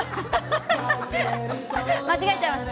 間違えちゃいました？